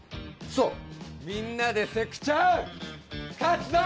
そうみんなでセクチャン勝つぞ！